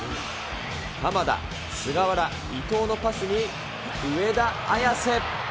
鎌田、すがわら、伊東のパスに上田綺世。